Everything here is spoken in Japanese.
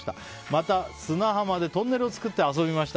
また、砂浜でトンネルを作って遊びました。